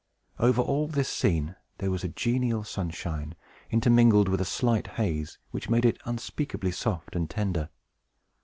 Over all this scene there was a genial sunshine, intermingled with a slight haze, which made it unspeakably soft and tender.